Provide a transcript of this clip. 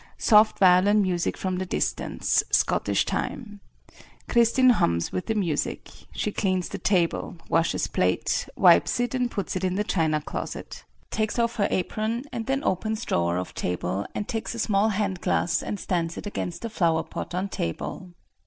Soft violin music from the distance, schottische time. Kristin hums with the music. She cleans the table; washes plate, wipes it and puts it in the china closet. Takes off her apron and then opens drawer of table and takes a small hand glass and strands it against a flower pot on table.